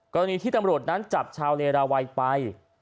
กรณีที่ตำรวจนั้นจับชาวเลราวัยไป